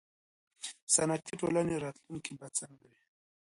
صنعتي ټولنې راتلونکی به څنګه وي.